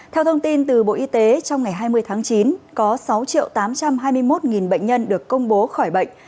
theo thông tin từ bộ y tế trong ngày hai mươi tháng chín có sáu tám trăm hai mươi một bệnh nhân được công bố khỏi bệnh